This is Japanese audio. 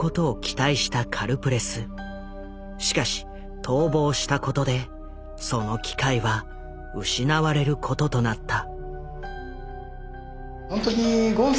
しかし逃亡したことでその機会は失われることとなった。